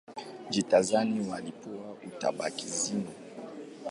Gerezani walipokea ubatizo.